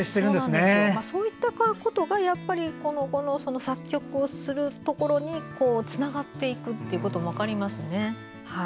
そういったことが作曲をするところにつながっていくということも分かりますね。